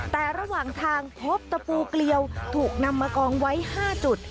แต่ระหว่างทางพบตะปูเกลียวถูกนำมากองไว้๕จุด